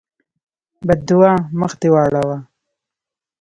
بدعا: مخ دې واوړه!